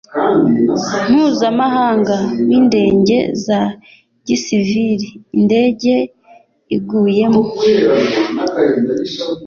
Mpuzamahanga w indege za gisivili indege iguyemo